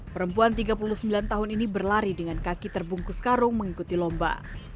perempuan tiga puluh sembilan tahun ini berlari dengan kaki terbungkus karung mengikuti lomba